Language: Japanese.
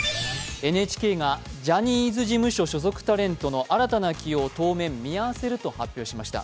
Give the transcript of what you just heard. ＮＨＫがジャニーズ事務所所属タレントの新たな起用を当面、見合わせると発表しました。